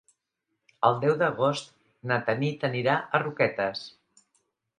El deu d'agost na Tanit anirà a Roquetes.